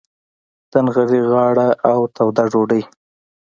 د نغري غاړه او توده ډوډۍ.